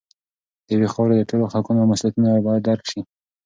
د یوې خاورې د ټولو حقونه او مسوولیتونه باید درک شي.